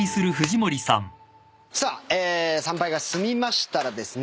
さあえ参拝が済みましたらですね